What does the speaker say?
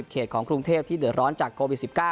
เขตของกรุงเทพที่เดือดร้อนจากโควิด๑๙